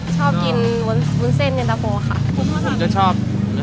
ชอบกินมุ้นเส้นเย็นตะโภค่ะ